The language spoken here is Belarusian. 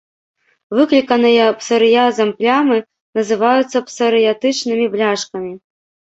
Выкліканыя псарыязам плямы называюцца псарыятычнымі бляшкамі.